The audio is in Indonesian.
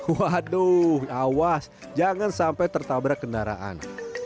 waduh awas jangan sampai tertabrak kendaraan